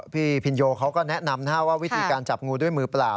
พี่พินโยเขาก็แนะนำว่าวิธีการจับงูด้วยมือเปล่า